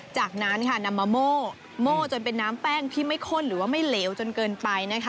จากนั้นค่ะนำมาโม่โม่จนเป็นน้ำแป้งที่ไม่ข้นหรือว่าไม่เหลวจนเกินไปนะคะ